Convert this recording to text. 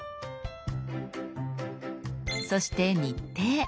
そして「日程」。